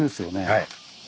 はい。